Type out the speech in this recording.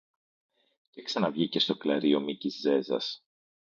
Και ξαναβγήκε στο κλαρί ο Μίκης Ζέζας